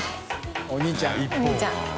お兄ちゃん。